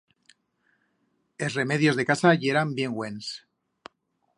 Es remedios de casa yeran bien buens.